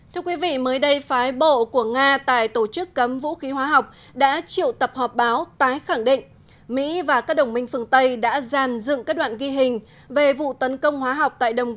thưa quý vị mới đây phái bộ của nga tại tổ chức cấm vũ khí hóa học đã triệu tập họp báo tái khẳng định mỹ và các đồng minh phương tây đã giàn dựng các đoạn ghi hình về vụ tấn công hóa học tại đồng grab